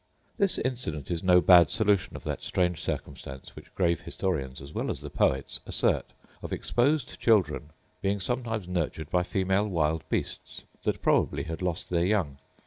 This incident is no bad solution of that strange circumstance which grave historians as well as the poets assert, of exposed children being sometimes nurtured by female wild beasts that probably had lost their young.